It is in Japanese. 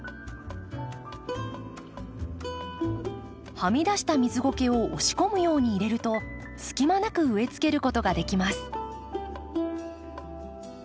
はみ出した水ゴケを押し込むように入れるとすき間なく植えつけることができます。